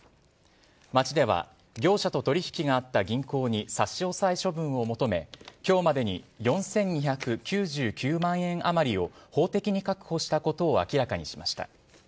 町では、業者と取り引きがあった銀行に差し押さえ処分を求め、きょうまでに４２９９万円余りを法的に確保したことを明らかにしました。